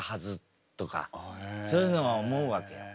そういうのは思うわけよ。